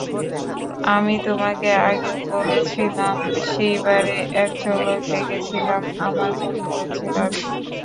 আমি তোমাকে আগেও বলেছিলাম, সেই বারে এক ঝলক দেখেছিলাম আমার মনে হয়েছিল আর কি!